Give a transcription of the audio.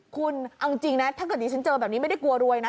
คุณเอาจริงนะถ้าเกิดดิฉันเจอแบบนี้ไม่ได้กลัวรวยนะ